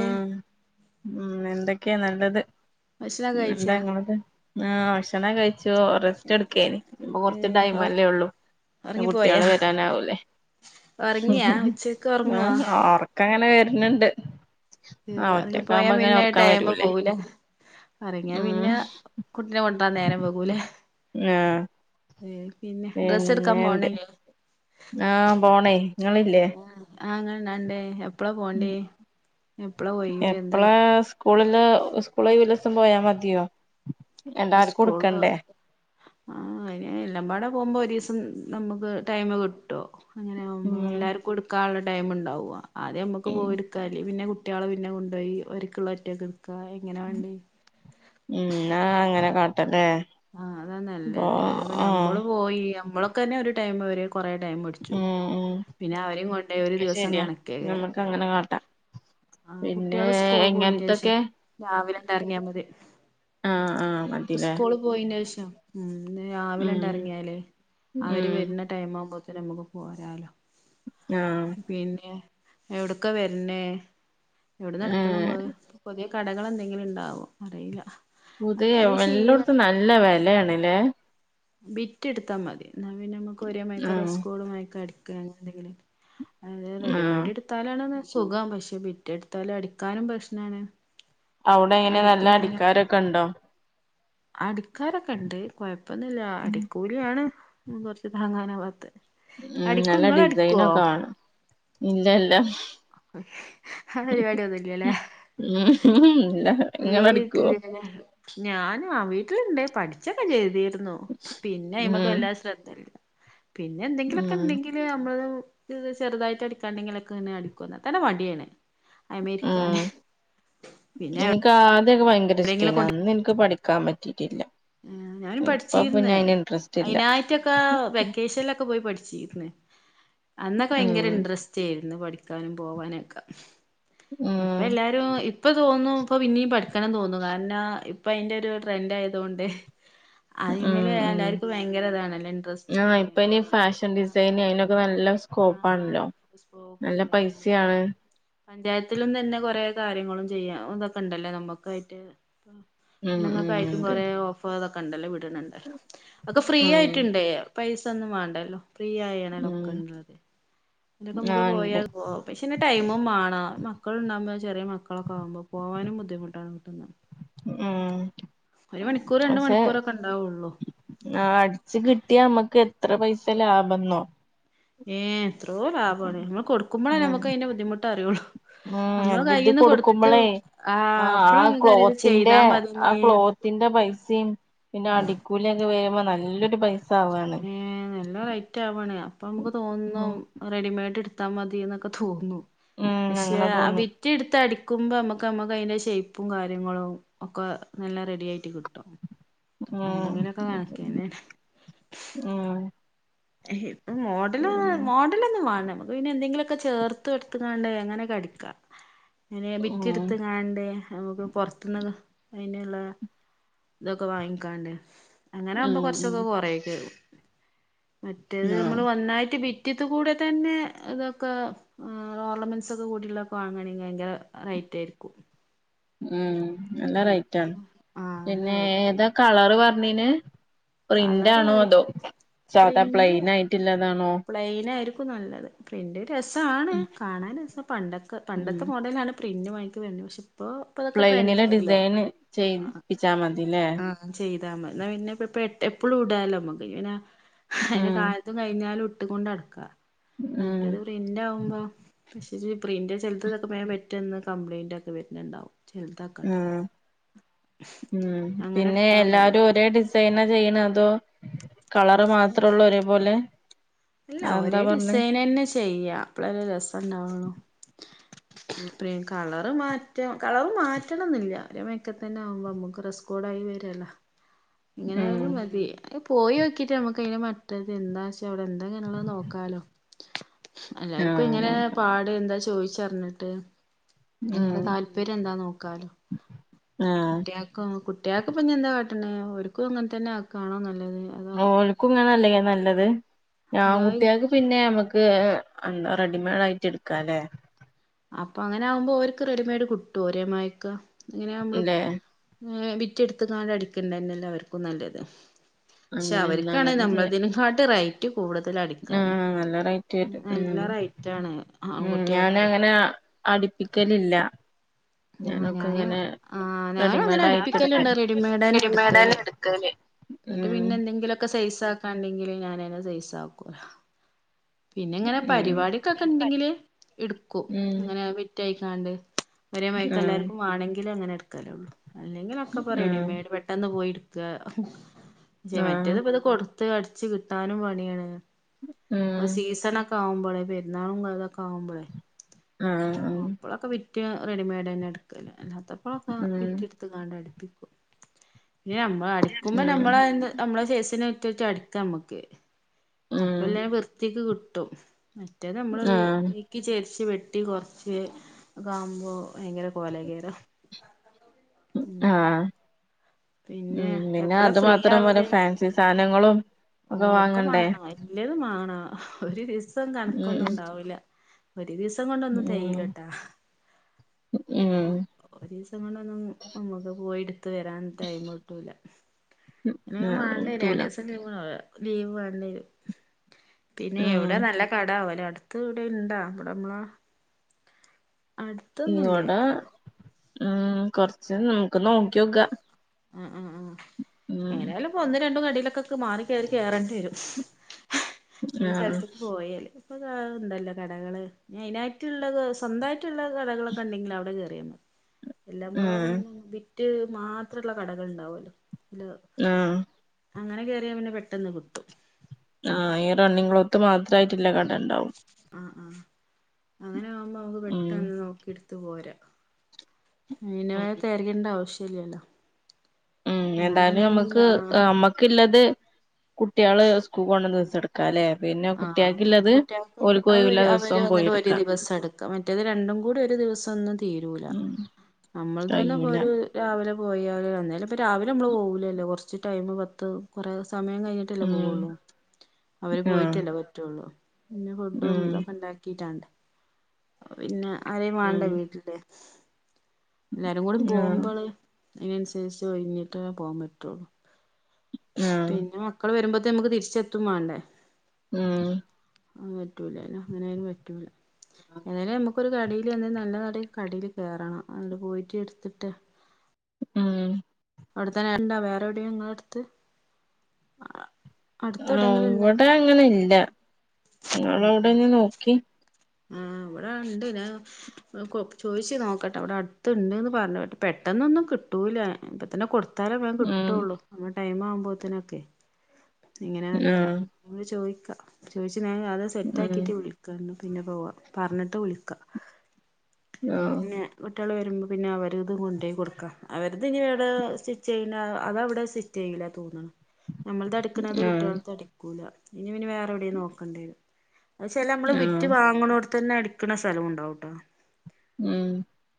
ഉം ഉം എന്തൊക്കെയാ നല്ലത്. ഭക്ഷണൊക്കെ എന്താ കഴിച്ചാ നിങ്ങളത് ഭക്ഷണം കഴിച്ചു റസ്റ്റ് എടുക്ക ഇപ്പൊ ഏ ല്ലേ ഉള്ളൂ ഉറങ്ങിപ്പോയാ കുട്ടികള് വരാനാവൂല്ലേ. ഉറങ്ങിയാ ഉച്ചക്ക് ഉറങ്ങുവോ ആ ഒറക്കം അങ്ങനെ വരുന്നുണ്ട്. പോയാ പിന്നെ ടൈം വരൂലേ പോവൂലെ? ഒറങ്ങിയാ ഉം പിന്നെ കുട്ടിനെ കൊണ്ടര നേരം പോകൂലെ? ആ. ഏ പിന്നെ ഡ്രസ്സ് എടുക്കാൻ പോണെങ്ക ആ പോണേ നിങ്ങളില്ലേ? ആ അങ്ങനെണ്ടണ്ടേ എപ്പളാ പോണ്ടേ എപ്പളാ ഒഴിവ് എന്താ സ്കൂള [unintelligible] പോയാ മതിയോ? എല്ലാർക്കും സ്കൂള് കൊടുക്കണ്ടേ ആ എല്ലമ്പാടെ പോകുമ്പോ ഒരു നമുക്ക് ടൈം കിട്ടോ അങ്ങനെ ആകുമ്പോൾ ഉം എല്ലാവർക്കും എടുക്കാനുള്ള ടൈമുണ്ടാവോ? ആദ്യം നമുക്ക് ഉം പോയി എടുക്ക അല്ലെങ്കി പിന്നെ കുട്ടികളെ പിന്നെ കൊണ്ട്പോയി ഓരിക്കുള്ള ഒറ്റൊക്കെ എന്ന അങ്ങനെ കാ ആ അതാ നല്ലത് അല്ല പിന്ന ആഹ് നമ്മള് പോയി നമ്മളൊക്കെ തന്നെ ഒരു ടൈം വരെ കൊറെ ടൈം പിടിച്ചു ഉം ഉം പിന്നെ അവരേം കൊണ്ടോയി ഒരു അത് ദിവസം ശരിയാ കണക്കേ നമ്മക്ക് അങ്ങനെ കാട്ടാം ആ പിന്നെ കുട്ടികള് സ്കൂൾ എങ്ങനത്തൊക്കെ [unintelligible] രാവിലെ റങ്ങിയാ മതി ആഹ് ആഹ് മതിലേ സ്കൂള് പോയിന്റെ ശേഷം ഉം. രാവിലെ ഉം അങ്ങട് ഇറങ്ങിയാല് അവര് ഉം വരുന്ന ടൈം ആവുമ്പത്തേനും നമുക്ക് പോരാലോ. ആഹ് പിന്നെ എവിടക്ക വരണേ? എവിടെ എടുക്കണ ഏഹ് നമ്മള് പുതിയ കടകൾ എന്തെങ്കിലും ഉണ്ടാവോ അറിയില്ല. പുതിയ അത് ശീല എല്ലോട്ത്തും നല്ല വിലയാണല്ലേ. ബിറ്റ് എടുത്താ മതി എന്നാ പിന്നെ നമുക്ക് ഒരേ ആഹ് [unintelligible] എന്തെങ്കിലും അത് ആഹ് റെഡിമെയഡ് എടുത്താലാണ് സുഖം പക്ഷെ ബിറ്റെടുത്താലും അടിക്കാനും പ്രശ്നാണ്. അവിടെ എങ്ങനെ നല്ല അടിക്കണില്ല അടിക്കാരൊക്കെ ഉണ്ടോ? അടിക്കാരൊക്കെ ഇണ്ട് കുഴപ്പൊന്നില്ല അടിക്കൂലിയാണ് കുറച്ച് താങ്ങാനാവാത്ത ഉം നല്ല ഡിസൈനൊക്കെ വേണം ഇല്ല എല്ലാം ആ പരിപാടി ഒന്നുല്ലല്ലേ. ഉം ഇല്ല ഇങ്ങള് അടിക്കുവോ? ഞാൻ ആ വീട്ടിലിണ്ട് പഠിച്ചൊക്കെ ചെയ്തിരുന്നു പിന്നെ ഉം ഇമ്മക്ക് വല്ലാ ശ്രദ്ധയില്ല. പിന്നെ എന്തെങ്കിലുമൊക്കെ ഉം ഉണ്ടെങ്കിൽ നമ്മളത് ചെറുതായിട്ട് അടിക്കാണ്ടെങ്കിലൊക്കെ ഇങ്ങനെ അടിക്കും എന്ന തന്നെ മടിയാണ്. അയുമ്മേ ഉം ഇരിക്കാന് പിന്നെ എനിക്ക് ആദ്യൊക്കെ ഭയങ്കര എവിടെയെങ്കിലും ഇഷ്ടേന അന്ന് എനിക്ക് പഠിക്കാൻ പറ്റിയിട്ടില്ല. ആ ഞാനും പഠിച്ചിരുന്ന് ഇല്ല അതിനായിറ്റൊക്കെ വെക്കേഷനിലൊക്കെ പോയി പഠിച്ചി അന്നൊക്കെ ഭയങ്കര ഉം ഇന്റ്രസ്റ്റ് ആയിരുന്നു പഠിക്കാനും പോവാനും ഒക്കെ ഇപ്പ ഉം എല്ലാരും ഇപ്പ തോന്നും ഇപ്പൊ പിന്നീം പഠി - ക്കണം തോന്നുന്നു കാരണം ഇപ്പൊ അയിന്റെ ഒരു ട്രെൻഡ് ആയതുകൊണ്ട് ഉം അതിമല് ഉം എല്ലാർക്കും ഭയങ്കര ഇതാണല്ല ഇൻട്രസ്റ്റും ആഹ് ഇപ്പൊ ഇനി കാര്യങ്ങളും ഫാഷൻ ഡിസൈന് അയിനൊക്കെ നല്ല ആ ആ സ്കോപ്പാണല്ലോ നല്ല സ്പോക്കണ്ട് നമ്മള് പൈസയാണ് പഞ്ചായത്തിലും തന്നെ കൊറെ- കാര്യങ്ങളും ചെയ്യാ ഇതൊക്കെ ഇണ്ടല്ലേ നമ്മുക്കായിട്ട് ഉം ഉം പെണ്ണുങ്ങക്കായിട്ടും ഉണ്ട് കൊറെ ഓഫ ണ്ടല്ലോ വിടണണ്ട ഒക്കെ ഫ്രീ ഉം ആയിട്ടുണ്ടെ പൈസ ഒന്നും വേണ്ടല്ലോ ഉം [unintelligible] അയിന്റൊക്കെ നമ്മുക്ക് ആഹ് ഉണ്ട് പോയാൽ പോ പക്ഷെന്നെ ടൈമും മാണാ മക്കളുണ്ടാമ്പ ചെറിയ മക്കളൊക്കെ ആകുമ്പോ പോകാനും ബുദ്ധിമുട്ടാണ് കിട്ടുന്നത് ഉം മണിക്കൂർ രണ്ട് പക്ഷെ മണിക്കൂറൊക്കെ ഉണ്ടാവുള്ളൂ ആ അടച്ച് കിട്ടിയ അമ്മക്ക് എത്ര പൈസ ലാഭെന്നോ ഏ എത്രോ ലാഭാണ് നമ്മള് കൊടുക്കുമ്പോളേ നമുക്ക് അതിന്റെ ബുദ്ധിമുട്ട് അറിയുള്ളു ഉം ഇ ഇത് കൊടുക്കുമ്പോളേ ആ ആഹ് ആ അപ്പളാ നമുക്കറിയാ ഇത് ക്ലോത്തിന്റെ ചെയ്താ മതിനി ആ ക്ലോത്തി- ന്റെ പൈസയും പിന്നെ അടിക്കൂലൊക്കെ വരുമ്പോ നല്ലൊരു പൈസ ആവാണ് ഏ നല്ല റേറ്റ് ആവാണ് അപ്പൊ നമുക്ക് ഉം തോന്നും റെഡിമേഡ എടുത്താ മതിന്നൊക്കെ തോന്നും ഉം പക്ഷെ അങ്ങനെ തോന്നും വിറ്റ- നക്കുമ്പോ നമ്മുക്ക് നമ്മുക്ക് അതിന്റെ ഷേപ്പും കാര്യങ്ങളും ഒക്കെ നല്ല റെഡി ആയിട്ട് കിട്ടും ട്ടോ ഉം അല്ലെങ്കിലൊക്കെ കണക്കന്നെ ഉം മോഡൽ മോഡലൊന്നും വേ നമുക്ക് പിന്നെ എന്തെങ്കിലുമൊക്കെ ചേർത്ത് എടുത്ത് കാണ്ടേ എങ്ങനെ അങ്ങനെ ഉം ബിറ്റ് എടുത്ത് കാണണ്ട് നമുക്ക് പൊറത്തുന്ന് അതിനുള്ള ഇതൊക്കെ വാങ്ങിക്കാണ്ട് അങ്ങനെ ആവുമ്പോ ഉം കുറച്ചൊക്കെ ഉം കൊറയൊക്കെ മറ്റേത് ആഹ് നമ്മൾ വന്നായിട്ട് ബി ത് കൂടെ തന്നെ ഇതൊക്കെ ഓർണമെന്റ്സ് ഒക്കെ കൂടിള്ളൊക്കെ വാങ്ങയാണെങ്കിൽ ഭയങ്കര ട്ടരിക്കും ഉം നല്ല റൈറ്റാ, ആ നല്ല പിന്നെ റേറ്റാണ് ഏതാ കളർ പറഞ്ഞീന് കളറ് പ്രിൻ്റാണോ അതോ സാദാ പ്ലെയിൻ ആയിട്ടില്ലതാണോ? പ്പ് നല്ലത് പ്രിൻ്റ് രസ ആണ് കാണാൻ രസ പണ്ടത്തെ ഉം പണ്ടത്തെ മോഡലാണ്. പ്രിൻ്റ്, വൈൻ്റ്, വെൻ്റോസും. പ്ലൈനില് ഡിസൈൻ ചെയ്യിപ്പിച്ചാ മതി. ആഹ ചെയ്താ മതി ന്നപിന്നെപ്പ എപ്പഴും ഇടാലോമ്മക്ക് ഇനാ അതിന്റെ ഉം കാലത്തും കഴിഞ്ഞാലും ഇട്ട്കൊണ്ട് നടക്കാ ഉം മറ്റേത് പ്രിന്റ് ആവുമ്പോ ജ് പ്രിന്റ് ചലത്തതൊക്കെ മാേൻ പറ്റന്ന് കംപ്ലയിന്റ ഒക്കെ വരുന്നുണ്ടാവും. ഉ ചിലതൊക്കെട്ടോ ഉ അങ്ങനെ പിന്നെ എടുത്താൽ മതി എല്ലാരും ഒരേ ഡിസൈൻ [unintelligible] ചെയ്യുന്ന അതോ കളർ മാത്രേ ഉള്ളൂ ഒരേപോലെ. ഇല്ല ഒരേ അതെന്താ പറഞ്ഞേ ഡിസൈൻ തന്നെ ചെയ്യാ അപ്പളല്ലേ രസുണ്ടാവുള്ളു. പ്രിയംകളർ. മാറ്റ കളറ് മാറ്റണം എന്നില്ല ഒ മെക്കത്തന്നെ ആവുമ്പോ നമുക്ക് ഡ്രസ്കോഡ ആയി വരല്ലോ ഇങ്ങനെ ഉം ആയാലും മതി [unintelligible] പോയി നോക്കിട്ട് നമുക്കയിന് മറ്റത് എന്താശ്യ അവിടെ എന്തെങ്ങള്ളത് നോക്കാലോ എല്ലാർക്കും ആഹ് ഇങ്ങനെ നോക്കാം പാട് എന്താ ചോയിച്ചറിഞ്ഞിട്ട്. ഉം എല്ലാര താല്പര്യം എന്താ നോക്കാലോ ആഹ് കുട്ടികൾക്ക് കുട്ടികൾക്ക്പ്പഞ്ഞ എന്താ ട്ടെനെ അവർക്കും അങ്ങനെ തന്നെ അ കാണാല്ല ഓൾക്കും ഇങ്ങനെല്ലേ നല്ലത് ഞാൻ അതായി കുട്ടിയോൾക്ക് പിന്നെ നമക്ക് ഇത് എന്താ റെഡിമെയഡ് ആയിട്ട് എടുക്കല്ലേ? അപ്പൊ അങ്ങനെ ആകുമ്പോ ഒരുക്ക് റെഡിമെയഡ് കിട്ടും ഒരേ മയക്ക ഇങ്ങനെ നമ്മള് ല്ലേ ങ വിറ്റെടുത്ത് നാലരക്ക്ന്നന്നല്ല എല്ലാവർക്കും നല്ലത്. ക്ഷെ അങ്ങനെ അവർക്കാണെങ്ക നമ്മളതിനെ കാട്ടി റേ ആ നല്ല റേറ്റ് വരും നല്ല റൈറ്റാണ് മ് മ് ആൺകുട്ടികൾക്ക് ഞാന അടിക്കാൻ അങ്ങന അടുപ്പിക്കലില്ല ആഹ് ഞാനൊക്കെ ഞാന് അങ്ങനെ ആഹ് ഞാനും അങ്ങനെ റെഡിമേഡ് ആയിട്ട് എടുക്കൽ, അടുപ്പിക്കലുണ്ട് റെഡിമെയ്ഡ് തന്നെ റെഡിമേഡ്നെ എടുക്കല് എടുക്കൽ എന്നിട്ട് പിന്നെ എന്തെങ്കിലക്കെ സൈസ് ആക്കാണ്ടെങ്കിൽ ഞാനെ സൈസ് ആക്കും. പിന്നെ ഇങ്ങനെ ഉം പരിപാടിക്കൊക്കെ ഉണ്ടെങ്കില് എടുക്കൂ, ഉം അങ്ങനെ വെറ്റായി. ന്നാണ്ട് ഒരേ മയക്ക ഉം എല്ലാവർക്കും മാണെങ്കിലും അങ്ങനെ എടുക്കാല്ലൊ അല്ലെങ്കിൽ മക്കക്കൊ, ഉം റെഡിമെയ്ഡ് പെട്ടെന്ന് പോയി എട് ജെ ആഹ് മറ്റേത്പ്പ ഇത് കൊടുത്ത് അടച്ച് കിട്ടാനും പണിയാണ്. അ ഉം സീസണൊക്കെ ആകുമ്പോളേ പെരുനാളും അതൊക്കെ ആകുമ്പോളേ ആ ആ കുറ്റ റെഡിമെയ്ഡ് തന്നെ എടുക്കൽ അല്ലാത്തപ്പോ ഉം വിറ്റെടുത്ത് കണ്ടാ അടുപ്പി ഇ നമ്മൾ അടിക്കുമ്പോ ഉം നമ്മളെ നമ്മുടെ സെസിന് റ്റ് റ്റ് അടിക്ക നമ്മക്ക് ഉം അപ്പൊല്ല വൃത്തിക്ക് കിട്ടും മറ്റേത് നമ്മള് ആഹ് എക്ക് ചേരിച്ച് വെട്ടി കൊറച്ച് കാമ്പോ ഭയങ്കര കോല കേയറ. ആ പിന്നെ ഉം പിന്നെ എപ്പളാ അത് ഫ്രീ മാത്രം പോര ആവല് ഫാൻസി സാധനങ്ങളും ഓ ഒക്കെ വാണ വല്ലത് വാണ ഒരു ദിവസം ഉം കണക്കൊന്നും ഇണ്ടാവൂല. എേ ദിവസം കൊണ്ട ഒന്നും ഉം തേലട്ടാ ആഹ ഉം ഒരു ദിവസം കൊണ്ട് ഒന്നും നമ്മക് പോയിട്ട അത് വരാൻ ടൈംകിട്ടൂലാ ഇ ആഹ് വണ്ട കിട്ടൂല രണ്ടു ദിവസം [unintelligible] ലീവ് വേണ്ടി വെരും പിന്നെ ഉം എവിടെ നല്ല കട ആവല അടുത്ത് ഇവിടെ ഇണ്ടാ ഇവിടന്ന് അടുത്തൊന്നുല്ലേ? മ് കൊറച്ച് നമുക്ക് നോക്കിയോക്ക ഉം ഉം ഉം ഉം എങ്ങനെയാലും ഇപ്പൊ ഒന്നും രണ്ടും കടിയിലൊക്കെെ മാറി കയറി കയറേണ്ടി വരും. ഒരു ആഹ് സ്ഥലത്തക് പോയല് ഇപ്പൊ ഉണ്ടല്ലോ കടകള് ആയിനായിട്ടുള്ള സ്വന്തയിട്ടുള്ള കടകളൊക്കെ ഉണ്ടെങ്കി അവിടെ കേ എല്ലാം ഉം പാടെ വിറ്റ് മാത്രള്ള കടകൾ ഉണ്ടാവല്ലോ ആഹ് അങ്ങനെ കേയറിയ പിന്നെ പെട്ടെന്ന് കിട്ടും ആഹ റണ്ണിങ് ക്ലോത്ത് മാത്രയിട്ടില്ല കടണ്ടാവും ആ ആ അങ്ങനെ ആവുമ്പോ നമക്ക് ഉം പെട്ടന്ന് നോക്കി എടുത്ത് പോരാ ഇനി വ ഉം തറിയേണ്ട ആവശ്യംല്ലല്ലോ ഉം എന്തായാലും നമ്മക്ക് ആഹ് അമ്മക്കല്ലാത് കുട്ടികള് സ്കൂൾ കൊണ്ടാന്ന് തുടക്കാലെ ആ കുട്ടികൾക്ക് ഒഴിവുള്ള അവര് ദിവസം പോയി വന്നിട്ട് ഒരു എടുക്കാം ദിവസം എടുക്കാം മറ്റേത് രണ്ടും കൂടി ഒരു സാം ഒന്നും തീരൂല ഉം നമ്മൾ തന്നെ കഴിയൂല പോയാൽ രാവിലെ പോയാലും എന്നേറ ഇപ്പ രാവിലെ നമ്മള് പൗലാലോ കുറച്ച് ടൈമ് പത്ത് കുറെ ഡിസം സമയം കഴിഞ്ഞിട്ടല്ലേ ഉം പോവുള്ളൂ അവര് ആഹ് പോയിട്ടല്ലോ പറ്റുള്ളൂ പിന്നെ ഫുഡും ഉം ഇതൊക്കെ ഉണ്ടാക്കിട്ടാണ്ട് പിന്നെ ആരേ ഉം വണ്ടെ വീട്ടില് എല്ലാരും കൂടി ആഹ് പോകുമ്പോള് അതിന് അനുസരിച്ച് ഓഴിഞ്ഞിട്ട് പോകാൻ പറ്റുള്ളു ആഹ് പിന്നെ മക്കൾ വരുമ്പോത്തേ നമുക്ക് തിരിച്ചെത്തും വേണ്ടേ ഉം അത് പറ്റൂലല്ല അങ്ങനൊയാലും പറ്റൂല ഏതായാലും നമു നക്ക ഒരു കടൽ എന്തേ നല്ല നട കടൽ കേയറണം അത് പോയിട്ട് എടുത്തിട്ട് ഉം അവിടെത്തന്നെ ണ്ടാ വേറെ എവിടെയ നിങ്ങളൾ അടുത്ത് അടുത്ത് ആ എവിടെയെങ്കിലും ഇണ്ടോ ഇവിടെ അങ്ങനെ ഇല്ല നിങ്ങവിടെന് നോക്കി ആ അവിടെ ഇണ്ട് ഞാ ചോദിച്ചു നോക്കട്ടെ അവിടെ അടുത്തണ്ട്ന്ന് പറഞ്ഞ കേട്ട് പെ പെട്ടന്നൊന്നും കിട്ടൂല ഇപ്പ തന്നെ കൊടു കത്താല വേൻ ഉം കിട്ടുള്ളു നമ്മ ടൈം ആവുമ്പോഴത്തനൊക്കെ ഇങ്ങനെ ആഹ് അറിയില്ലട് ചോദിക്കാം ചോദിച്ച ഞാൻ അത് സെറ്റ ഉം ആക്കിട്ട് വിളിക്കു പിന്നെ പോവാ പറഞ്ഞിട്ട് വിളിക്കാം ആഹ് പിന്നെ കുട്ടികകൾ വരുമ്പോൾ പിന്നെ അവർ ഇത് കൊണ്ടപയി കൊടുക്കാം അവർത് ഇനി ഇവിടെ സ്റ്റിച്ച് ചെയ്യ അതവിടെ സ്റ്റിച്ച് ചെയ്യണം ല്ല തോന്നണം നഞമ്മൾത് അടുക്കണത് കുട്ടികൾത്തെ ആഹ് അടിക്കൂല ഇനി പിനി വേറെ എവിടെ നോക്കണ്ടരും െ നമ്മള് വി ആഹ് അോടെ തന്നെ അടിക്കണ സ്ഥലം ഉണ്ടാവട്ടോ ഉം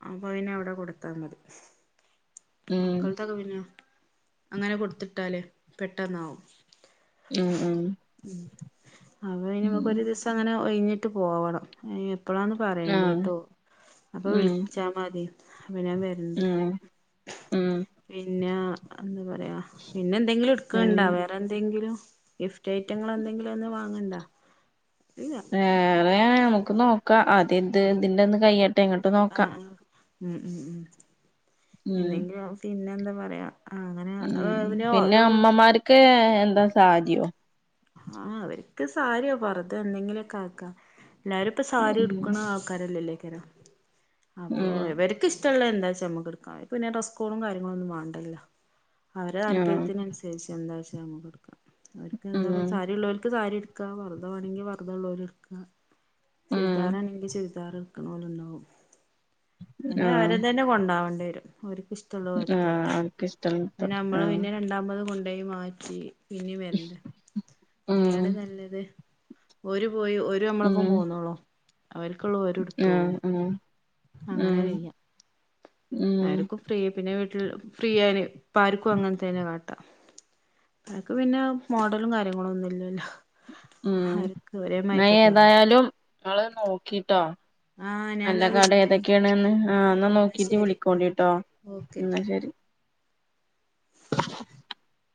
അപ്പൊ അെ അവിടെ കൊടുത്താ മതി ഉം മക്കളത്തൊക്കെ പിന്ന അങ്ങനെ കൊടുത്തിട്ടാല്േ പെട്ടന്നാവും ഉം ഉം അപ്പ ഉം ഇനിമക്ക്ൊ ഒരു ദിവസം അങ്ങനെ ഒഴിഞ്ഞിട്ട് ഇട്ട് പോവണം എപ്പോഴാന്ന് പറയേണ്ടി ആഹ് കേട്ടോ അപ്പൊ ഉം വിളിച്ചാൽ മതി അനൻ വരണ്ട് ഉം ഉം പിന്നെ എന്താ പറയാ പിന്നെ എന്തെങ്കിലും എടുക്കണ്ടോ പിന്നെ വേറെ എന്തെും ന്തങ്കും ഗിഫ്റ്റ് ഐറ്റങ്ങ എന്തെങ്കിലും ഒന്ന് വാങ്ങണ്ട ഇല്ല വേറെ നമുക്ക് നോക്കാം അത ഇത് ഇതിന്റെ ഒന്ന് കയ്യട്ടെ എങ്ങോട്ട് ആഹ് നോക്കാം ആഹ് ഉം ഉം ഉ എന്തെങ്കിലും പിന്നെ എന്താ പറയാ അങ്ങനെ ഉ പിന്നെ അമ്മമാർക്ക് എന്താ സാധയോ ആഹ അവർക്ക് സാരിയോ പറത എന്തെങ്കിലുമൊക്കെ ആക്ക എല്ലാരും ഇപ്പ സാരി ഉം എടുക്കണ ആൾക്കാരല്ലല്ലേക്കര അപ്പൊ ഉം എവർക്ക ഇഷ ഇഷ്ട എന്താച്ചാ നമ്മക്ക് എടുക്കാംന്നെ റസകോളും കാര്യങ്ങള ഒന്നും വേണ്ടല്ലോ അവരു ആഹ് താല്പര്യത്തിന അനുസരിച്ച് എന്താച്ചാ നമ്മ കൊടുക്കാം എന്താ പറ ഉം സാരി ഉള്ളവർക്ക് സാരി എക്ക വറുത ആണെങ്കിൽ വെുത ഉള്ളവർ എടുക്കാ ഉം ചുരിദാറാണെങ്കിൽ ചുരിദാർ വെക്കുന്ന പോലെ ഉണ്ടാവും അന അവരെ ആഹ് തന്നെ കൊണ്ടകേണ്ടി വരും ഒ ആഹ് ഇഷ്ടമുള്ളത്തോട്ട് അവർക്ക് ഇഷ്ടള്ള പിന്നെ നമ്മള് ആഹ് പിന്നെ രണ്ടാമത് കൊ ഇടൈ മാച്ചി ഇനിും എന്ത ഉം അനെയാണ് നല്ലത് ഒരു പോയി ഒരു നമ്മളൊപ്പം ഉം പോന്നോളോ അവർക്കുള്ളൂ ര ആഹ് എടുത്തോളും ആഹ് അങ്ങനെ ആഹ് ക്യാം ഉം ആർക്കും ഫ്രീ പിന്നെ വീട്ടിൽ ഫ്രീ ആ ഇപ്പ ആർക്കും അങ്ങനത്തെ തന്നെ കാ അനക്ക് പിന്നെ മോഡലും കാര്യങ്ങളും ഒന്നുമല്ലല്ലോ ഉം ഞാൻ മയക്കത്തന്നെ ഏതായാലും ള് നോക്കിട്ടോ ആഹ് നല്ല ഞാൻന്നാ കട വിളിക്കണ്ട് ഏതൊക്കെയാണ്ന്ന് ആ എന്നാൽ എന്നാ നോക്കിട്ട് ശരി വിളിക്കോണ്ടിട്ടോ ഓക്കെ ന്നാ [inaudible]